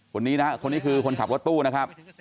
คนนี้นะคนนี้คือคนขับรถตู้นะครับ